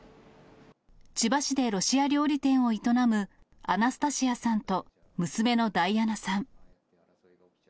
千葉市でロシア料理店を営むアナスタシアさんと娘のダイアナさん。